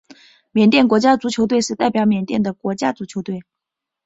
缅甸国家足球队是代表缅甸的国家足球队。